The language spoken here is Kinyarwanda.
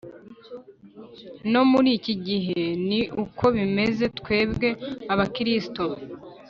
no muri iki gihe ni uko bimeze twebwe abakristo